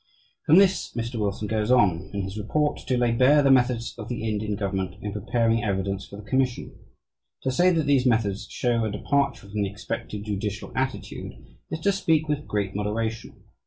From this Mr. Wilson goes on, in his report, to lay bare the methods of the Indian government in preparing evidence for the commission. To say that these methods show a departure from the expected "judicial attitude" is to speak with great moderation.